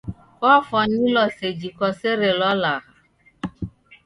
Kwafwanilwa seji kwaserelwa lagha.